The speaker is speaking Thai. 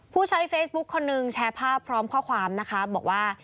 ผู้ใช้เฟซบุ๊คคนนึงแชร์ภาพพร้อมข้อความนะคะบอกว่า